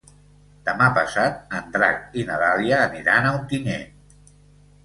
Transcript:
Demà passat en Drac i na Dàlia aniran a Ontinyent.